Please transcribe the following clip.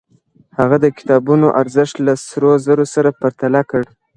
هغه د کتابونو ارزښت له سرو زرو سره پرتله کړ.